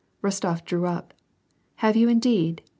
Eostof drew up. " Have you indeed